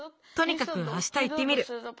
とにかくあしたいってみる。